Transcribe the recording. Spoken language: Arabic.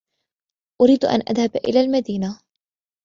أريد أن أذهب إلى المدينة.